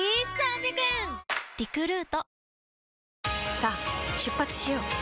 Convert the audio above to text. さあ出発しよう。